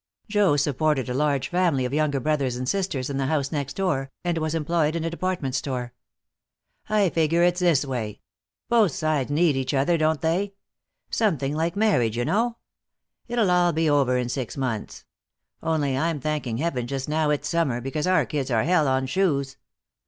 Joe supported a large family of younger brothers and sisters in the house next door, and was employed in a department store. "I figure it this way both sides need each other, don't they? Something like marriage, you know. It'll all be over in six months. Only I'm thanking heaven just now it's summer, because our kids are hell on shoes."